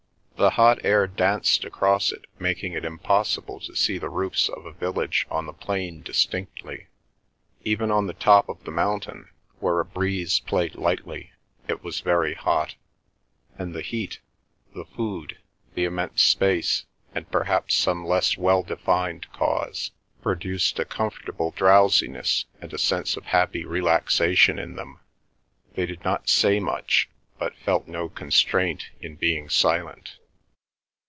The hot air danced across it, making it impossible to see the roofs of a village on the plain distinctly. Even on the top of the mountain where a breeze played lightly, it was very hot, and the heat, the food, the immense space, and perhaps some less well defined cause produced a comfortable drowsiness and a sense of happy relaxation in them. They did not say much, but felt no constraint in being silent.